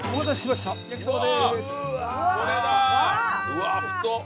うわっ太っ！